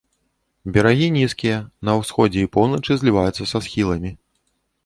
Берагі нізкія, на ўсходзе і поўначы зліваюцца са схіламі.